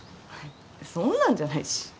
そんなんじゃないし。